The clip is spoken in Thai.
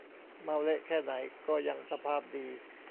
เมาเละแค่ไหนก็ยังสภาพดี